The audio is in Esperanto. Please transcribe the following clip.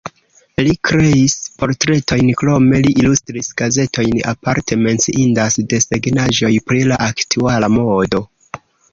Li kreis portretojn, krome li ilustris gazetojn, aparte menciindas desegnaĵoj pri la aktuala modo.